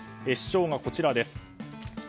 主張がこちらです。